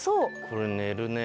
これ寝るね。